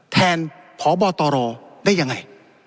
แทนพบตรได้ยังไง